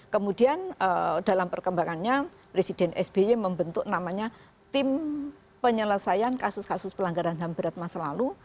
kemudian dalam perkembangannya presiden sby membentuk namanya tim penyelesaian kasus kasus pelanggaran ham berat masa lalu